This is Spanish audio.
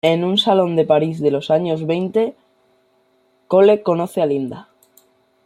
En un salón de París de los años veinte, Cole conoce a Linda.